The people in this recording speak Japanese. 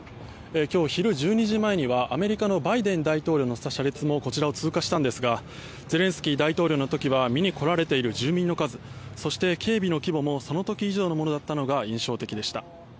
今日昼１２時前にはアメリカのバイデン大統領を乗せた車列もこちらを通過したんですがゼレンスキー大統領の時は見に来られている住民の数そして警備の規模もその時以上だったのが印象的でした。